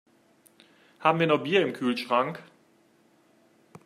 Haben wir noch Bier im Kühlschrank?